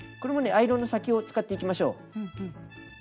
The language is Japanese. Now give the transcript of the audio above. アイロンの先を使っていきましょう。